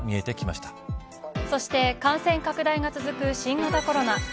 そして感染拡大が続く新型コロナ。